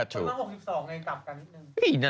ถูกสำหรับ๖๒ไงกลับกันนิดนึง